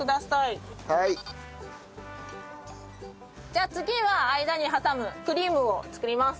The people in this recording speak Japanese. じゃあ次は間に挟むクリームを作ります。